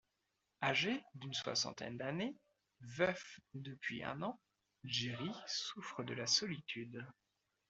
Âgé d’une soixantaine d’années, veuf depuis un an, Jerry souffre de la solitude.